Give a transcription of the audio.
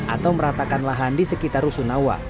atau meratakan lahan di sekitar rusunawa